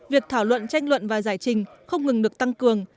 việc thảo luận tranh luận và giải trình không ngừng được tăng cường